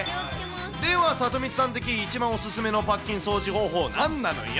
ではサトミツさん的に一番お勧めのパッキン掃除方法、なんなのよ。